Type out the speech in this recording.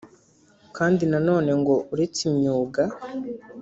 Kandi na none ngo uretse imyuga